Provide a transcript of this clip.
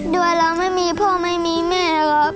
ด้วยแล้วไม่มีพ่อไม่มีแม่ครับ